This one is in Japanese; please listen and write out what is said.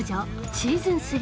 シーズン３。